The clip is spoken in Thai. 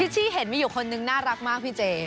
ที่เห็นมีอยู่คนนึงน่ารักมากพี่เจ